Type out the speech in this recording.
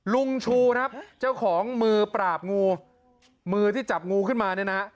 ลุงชูครับเจ้าของมือปราบงูมือที่จับงูขึ้นมาเนี่ยนะ